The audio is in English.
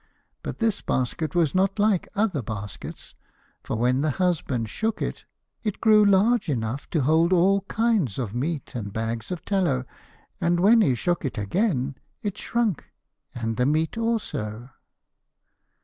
But this basket was not like other baskets, for when the husband shook it, it grew large enough to hold all kinds of meat and bags of tallow, and when he shook it again, it shrunk and the meat also.